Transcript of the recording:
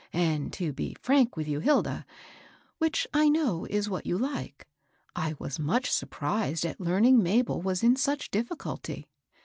And, to be frank with you, Hilda, — which I know is what you like, — I was much surprised at learning Ma bel was in such diflSculty.